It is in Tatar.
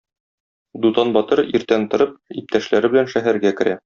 Дутан батыр, иртән торып, иптәшләре белән шәһәргә керә.